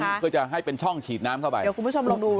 เพื่อจะให้เป็นช่องฉีดน้ำเข้าไปเดี๋ยวคุณผู้ชมลองดู